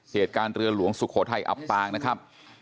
เหตุการณ์เรือหลวงสุโขทัยอับปางนะครับ